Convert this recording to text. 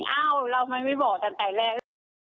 เอ้าเราไม่บอกตั้งแต่แรก